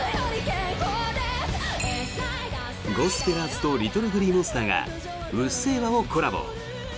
ゴスペラーズとＬｉｔｔｌｅＧｌｅｅＭｏｎｓｔｅｒが「うっせぇわ」をコラボ。